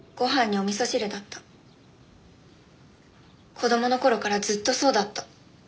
子供の頃からずっとそうだった。